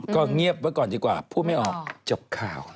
ก็เงียบไว้ก่อนดีกว่าพูดไม่ออกจบข่าว